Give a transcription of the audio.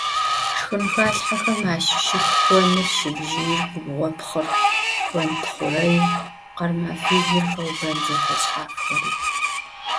Шхынхалъхьэхэм ащыщых къоныр, щыбжьыир, губгъопхъыр, къонтхъурэир, къэрмэфилыр, хэубэн зэфэшъхьафхэри.